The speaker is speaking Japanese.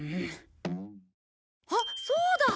あっそうだ！